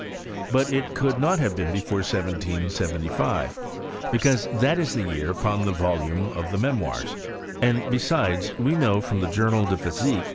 But it could not have been before 1775, because that is the year upon tiie volume of the Memoirs ; and besides, we know from the Journal de Physique (v.